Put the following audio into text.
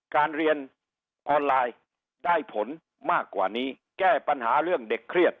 การเรียนออนไลน์ได้ผลมากกว่านี้แก้ปัญหาเรื่องเด็กเครียด